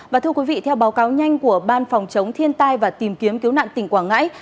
và thưa quý vị theo báo cáo nhanh của ban phòng chống thiên tai và tìm kiếm cứu nạn tỉnh quảng ngãi